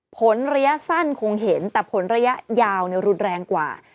ผลระยะสั้นคงเห็นแต่ผลระยะยาวรุนแรงกว่า